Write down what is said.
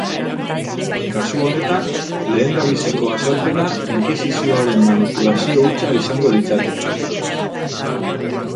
Kasu honetan, lehendabiziko azalpena inkisizioaren manipulazio hutsa izango litzateke.